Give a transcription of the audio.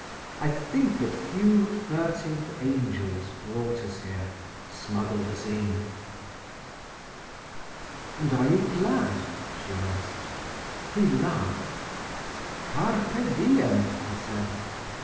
"I think a few furtive angels brought us here—smuggled us in." "And you are glad?" she asked. He laughed. "Carpe diem," he said.